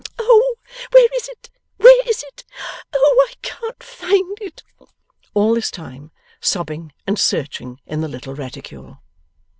Oh! where is, where is it? Oh! I can't find it!' All this time sobbing, and searching in the little reticule.